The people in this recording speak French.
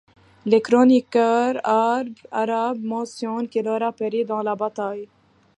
Les chroniqueurs arabes mentionnent qu’il aurait péri dans la bataille.